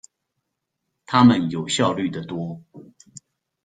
他們有效率的多